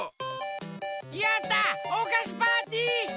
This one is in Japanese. やったおかしパーティー！